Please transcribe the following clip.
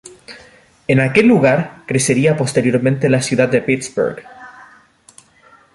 En aquel lugar crecería posteriormente la ciudad de Pittsburgh.